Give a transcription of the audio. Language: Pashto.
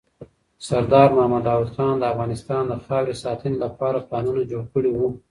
سردار محمد داود خان د افغانستان د خاورې ساتنې لپاره پلانونه جوړ کړي وو.